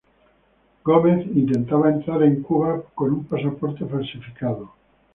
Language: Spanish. Gómez intentaba entrar en Cuba con un pasaporte falsificado.